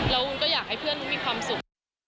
แล้วมึงก็อยากให้เพื่อนมึงมีความสุข